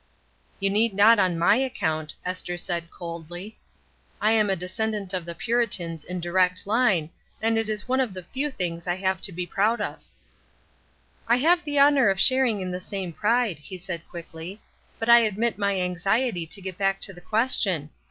''You need not on my accoimt," Esther said, coldly. ''I am a descendant of the Puritans in direct Une, and it is one of the few things I have to be proud of." "I have the honor of sharing in the same pride/' he said quickly. "But I admit my anxiety to get back to the question.